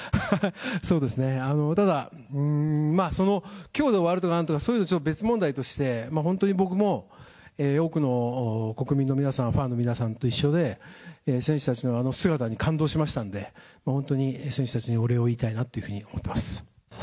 そうですね、ただ、きょうで終わるとかなんとかそういうのは別問題として、本当に僕も多くの国民の皆さん、ファンの皆さんと一緒で、選手たちのあの姿に感動しましたんで、本当に選手たちにお礼を言いたいなというふうに思います。